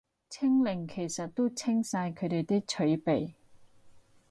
清零其實都清晒佢哋啲儲備